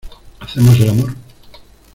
¿ hacemos el amor?